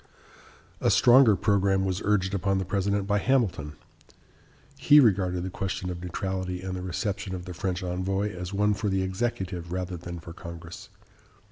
A stronger programme was urged upon the President by Hamilton. He regarded the question of neutrality and the reception of the French envoy as one for the executive rather than for Congress.